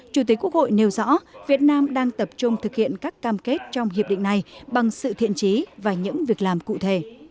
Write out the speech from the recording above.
chủ tịch quốc hội nêu rõ việt nam đang tập trung thực hiện các cam kết trong hiệp định này bằng sự thiện trí và những việc làm cụ thể